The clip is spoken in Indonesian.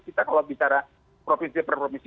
kita kalau bicara provinsi per provinsi